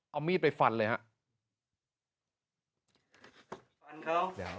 เอามีดไปฟันเลยฮะ